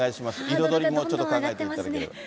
彩りもちょっと考えていただければ。